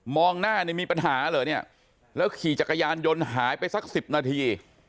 หน้านี่มีปัญหาเหรอเนี่ยแล้วขี่จักรยานยนต์หายไปสัก๑๐นาที